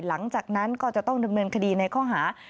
หลังจากนั้นก็จะต้องดำเนินคดีในข้อหา